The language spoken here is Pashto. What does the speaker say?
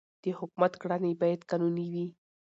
د حکومت کړنې باید قانوني وي